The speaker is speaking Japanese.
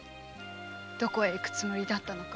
どこへ行くつもりだったのか。